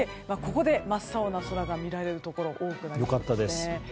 ここで、真っ青な空が見られるところ多くなりそうです。